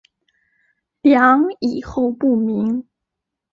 梁以后不明。